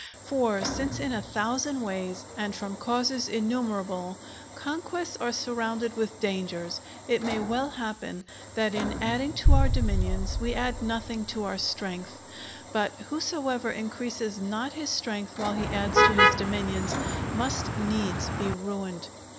For since in a thousand ways, and from causes innumerable, conquests are surrounded with dangers, it may well happen that in adding to our dominions, we add nothing to our strength; but whosoever increases not his strength while he adds to his dominions, must needs be ruined.